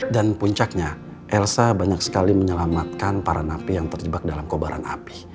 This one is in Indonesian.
dan puncaknya elsa banyak sekali menyelamatkan para napi yang terjebak dalam kobaran api